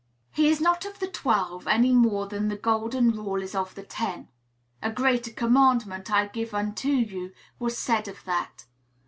He is not of the twelve, any more than the golden rule is of the ten. "A greater commandment I give unto you," was said of that.